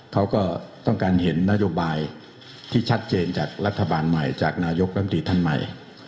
เขาก็ต้องการเห็นนโยบายที่ชัดเจนจากรัฐบาลใหม่จากนายกรัฐมนตรีท่านใหม่